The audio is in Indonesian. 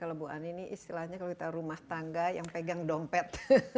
kalau bu ani ini istilahnya kalau kita rumah tangga yang pegang dompet